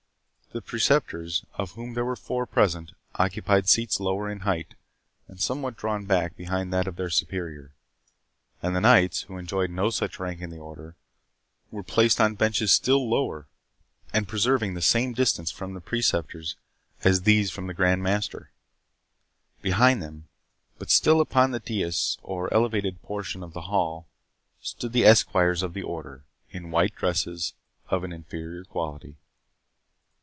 The Preceptors, of whom there were four present, occupied seats lower in height, and somewhat drawn back behind that of their superior; and the knights, who enjoyed no such rank in the Order, were placed on benches still lower, and preserving the same distance from the Preceptors as these from the Grand Master. Behind them, but still upon the dais or elevated portion of the hall, stood the esquires of the Order, in white dresses of an inferior quality.